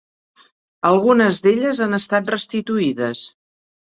Algunes d'elles han estat restituïdes.